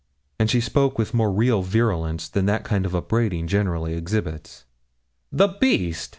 And she spoke with more real virulence than that kind of upbraiding generally exhibits. 'The beast!'